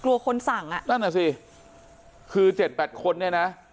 คนสั่งอ่ะนั่นน่ะสิคือเจ็ดแปดคนเนี่ยนะ